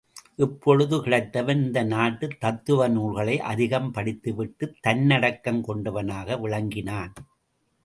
இப்பொழுது கிடைத்தவன் இந்த நாட்டுத் தத்துவ நூல்களை அதிகம் படித்துவிட்டுத் தன்னடக்கம் கொண்டவனாக விளங்கினான்.